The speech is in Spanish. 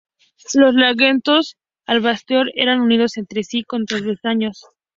Los largueros del bastidor están unidos entre sí con travesaños.